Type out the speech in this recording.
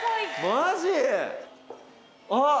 マジ⁉あっ！